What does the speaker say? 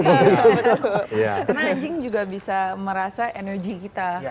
karena anjing juga bisa merasa energi kita